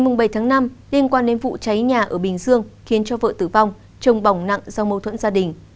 ngày bảy tháng năm liên quan đến vụ cháy nhà ở bình dương khiến cho vợ tử vong chồng bỏng nặng do mâu thuẫn gia đình